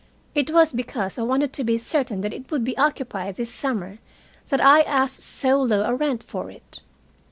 It was because I wanted to be certain that it would be occupied this summer that I asked so low a rent for it.